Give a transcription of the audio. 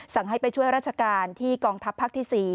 ให้ไปช่วยราชการที่กองทัพภาคที่๔